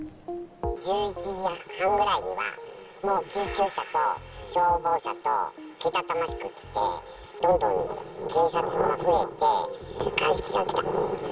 １１時半ぐらいには、もう救急車と消防車と、けたたましく来て、どんどん警察が増えて、鑑識が来た。